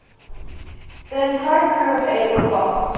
The entire crew of eight was lost.